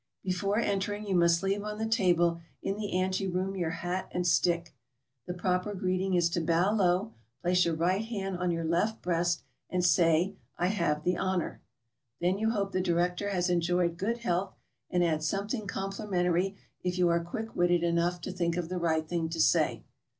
Before entering, you must leave on the table in the anteroom your hat and stick. The proper greeting is to bow low, place your right hand on your left breast, and say, T have the honor.' Then you hope the director has enjoyed good health, and add something complimentary if you are quick witted enough to think of the right thing to say.